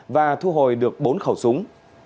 và thu hồi được bốn khẩu súng